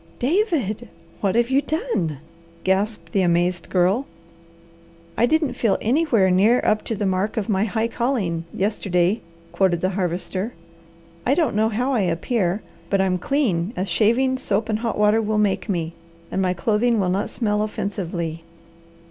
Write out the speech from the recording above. "David, what have you done?" gasped the amazed Girl. "I didn't feel anywhere near up to the 'mark of my high calling' yesterday," quoted the Harvester. "I don't know how I appear, but I'm clean as shaving, soap and hot water will make me, and my clothing will not smell offensively.